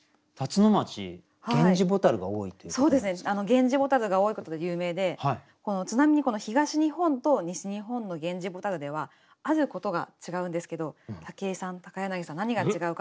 ゲンジボタルが多いことで有名でちなみに東日本と西日本のゲンジボタルではあることが違うんですけど武井さん柳さん何が違うかご存じでしょうか？